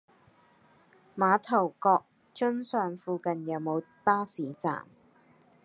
馬頭角瑧尚附近有無巴士站？